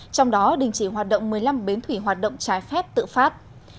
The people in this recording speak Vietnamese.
trong đó đình chỉ hoạt động một mươi năm bến thủy hoạt động trái phép tự phát